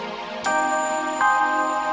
gue sama bapaknya